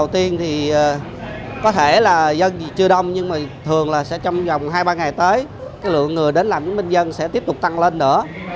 thường là sẽ trong vòng hai ba ngày tới lượng người đến làm chứng minh nhân dân sẽ tiếp tục tăng lên nữa